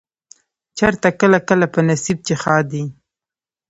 چرته کله کله په نصيب چې ښادي